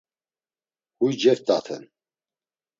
Huy ceft̆aten .